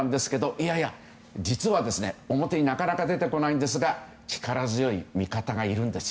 いやいや、実は表になかなか出てきませんが力強い味方がいるんです。